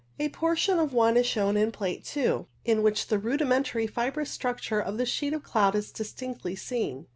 A portion of one is shown in Plate 2, in which the rudimentary fibrous structure of the sheet of cloud is distinctly seen.